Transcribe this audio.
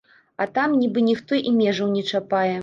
А там нібы ніхто і межаў не чапае.